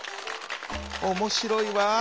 「おもしろいわ」。